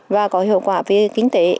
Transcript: và có hiệu quả về kinh tế